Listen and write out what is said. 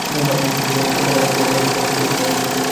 এতে বাঁধাকপির গাছে প্রথমে শিকড়ে পচন ধরে এবং শিকড় শুকিয়ে যায়।